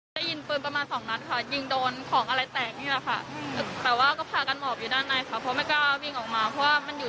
เสียงมันดังขนาดไหนครับตอนนั้น